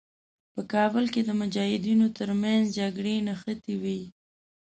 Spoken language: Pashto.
په کابل کې د مجاهدینو تر منځ جګړې نښتې وې.